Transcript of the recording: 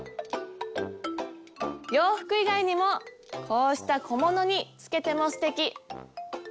洋服以外にもこうした小物につけてもすてき。